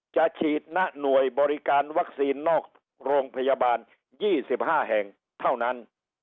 จะฉีดณหน่วยบริการวัคซีนนอกโรงพยาบาล๒๕แห่งเท่านั้น